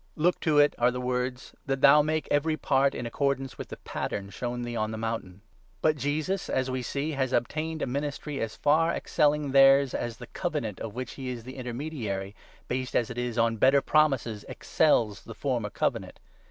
' Look to it,' are the words, ' that thou make every part in accordance with the pattern shown thee on the mountain.') But Jesus, 6 as we see, has obtained a ministry as far excelling theirs, as the Covenant of which he is the intermediary, based, as it is, on better promises, excels the former Covenant.